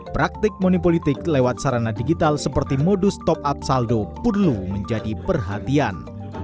praktik money politik lewat sarana digital seperti modus top up saldo perlu menjadi perhatian